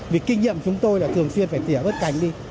vì kinh nghiệm chúng tôi là thường xuyên phải tỉa bớt cảnh đi